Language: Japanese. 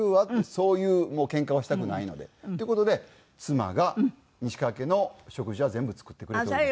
そういうもう喧嘩はしたくないのでっていう事で妻が西川家の食事は全部作ってくれております。